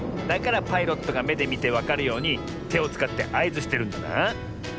だからパイロットがめでみてわかるようにてをつかってあいずしてるんだな。